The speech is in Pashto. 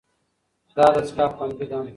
دا دستګاه خوندي ده.